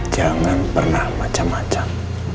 jangan pernah macem macem